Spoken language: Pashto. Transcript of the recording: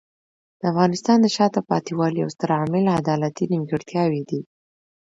د افغانستان د شاته پاتې والي یو ستر عامل عدالتي نیمګړتیاوې دي.